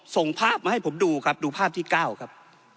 ส่งภาพมาให้ผมดูครับดูภาพที่๙ครับ